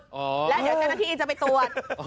อไอ๋อแล้วเดี๋ยวใจหน้าที่อีนจะไปตรวจ